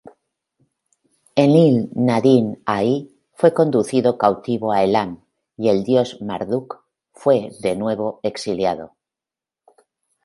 Enlil.nadin-ahi fue conducido, cautivo a Elam, y el dios Marduk fue, de nuevo, exiliado.